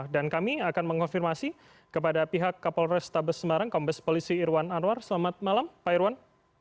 dan kami akan mengonfirmasi kepada pihak kapolres tabes semarang kompas polisi irwan anwar selamat malam pak irwan